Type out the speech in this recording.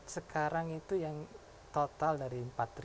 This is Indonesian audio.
sekarang itu yang total dari